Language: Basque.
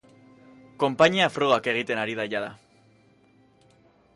Konpainia frogak egiten ari da jada.